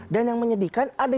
dan yang menyedihkan ada